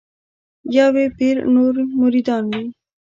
یو یې پیر نور مریدان وي